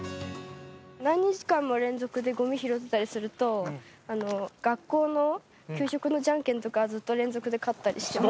何日間も連続でごみ拾ってたりすると、学校の給食のじゃんけんとか、ずっと連続で勝ったりしてます。